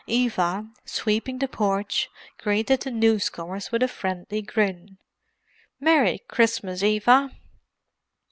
Eva, sweeping the porch, greeted the newcomers with a friendly grin. "Merry Christmas, Eva!"